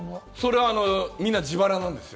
みんな自腹なんですよ。